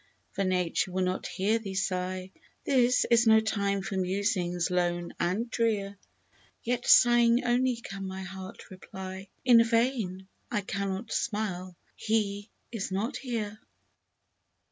for Nature will not hear thee sigh — This is no time for musings lone and drear "— Yet sighing only can my heart reply " In vain, I cannot smile, — he is not here